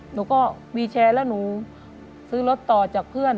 หนูก็วีแชร์แล้วหนูซื้อรถต่อจากเพื่อน